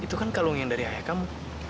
itu kan kalau yang dari ayah kamu